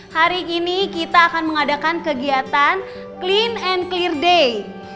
hari ini kita akan mengadakan kegiatan clean and clear day